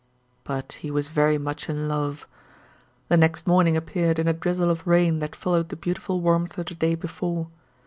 But he was very much in love. The next morning appeared in a drizzle of rain that followed the beautiful warmth of the day before.